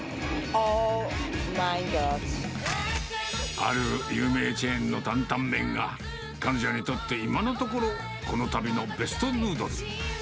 ある有名チェーンの担々麺が、彼女にとって、今のところ、この旅のベストヌードル。